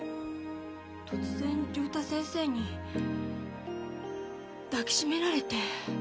突然竜太先生に抱きしめられて。